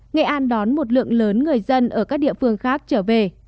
nghệ an đón một lượng lớn người dân ở các địa phương khác trở về